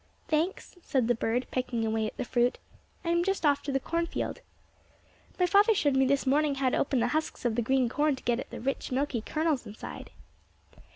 "Thanks," said the bird, pecking away at the fruit. "I am just off to the corn field. My father showed me this morning how to open the husks of the green corn to get at the rich, milky kernels inside."